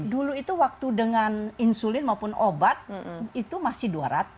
dulu itu waktu dengan insulin maupun obat itu masih dua ratus